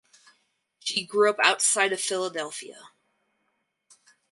She grew up outside of Philadelphia.